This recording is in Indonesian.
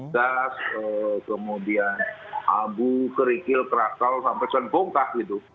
gas kemudian abu kerikil krakal sampai contohnya bongkak gitu